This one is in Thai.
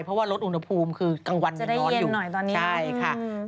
เพราะว่ารดอุณหภูมิคือกลางวันจะนอนอยู่จะได้เย็นหน่อยตอนนี้